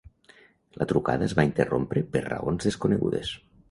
La trucada es va interrompre per raons desconegudes.